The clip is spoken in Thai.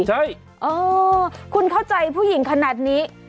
ใช่เออคุณเข้าใจผู้หญิงขนาดนี้